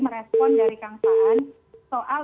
merespon dari kang saan soal